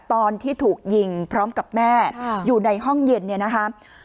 ตอนที่ถูกยิงพร้อมกับแม่อยู่ในห้องเย็นเนี่ยนะคะ